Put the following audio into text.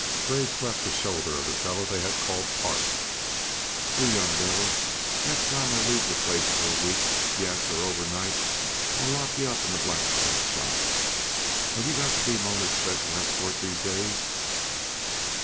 Graves slapped the shoulder of the fellow they had called Park. "You young devil, next time I leave the place for a week yes, or overnight I'll lock yuh up in the blacksmith shop. Have yuh got to be Mona's special escort, these days?"